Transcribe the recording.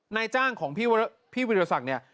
นายจ้างของพี่วิทยาศักดิ์เนี่ย